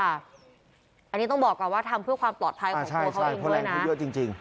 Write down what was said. อันนี้ต้องบอกก่อนว่าทำเพื่อความปลอดภัยของผู้ป่วยเขาเองด้วยนะ